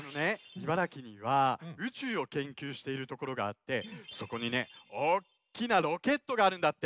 茨城には宇宙をけんきゅうしているところがあってそこにねおっきなロケットがあるんだって！